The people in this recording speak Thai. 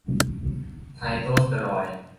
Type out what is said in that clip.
ไพโตสเตอรอยด์